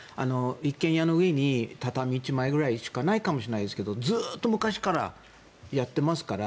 一軒家の上に畳１枚ぐらいしかないですけどずっと昔からやってますから。